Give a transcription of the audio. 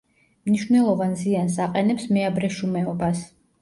მნიშვნელოვან ზიანს აყენებს მეაბრეშუმეობას.